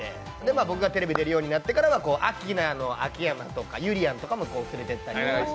僕がテレビに出るようになってアキナの秋山とかゆりやんとかも連れていって。